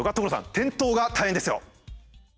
転倒が大変ですよ。